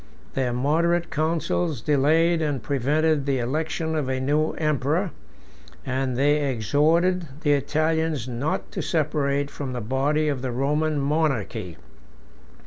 Their moderate councils delayed and prevented the election of a new emperor, and they exhorted the Italians not to separate from the body of the Roman monarchy.